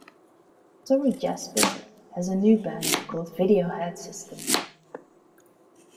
Torry Jasper has a new band called "Video Head System".